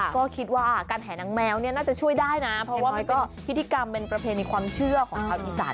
ก็คิดว่าการแห่นางแมวเนี่ยน่าจะช่วยได้นะเพราะว่ามันก็พิธีกรรมเป็นประเพณีความเชื่อของชาวอีสาน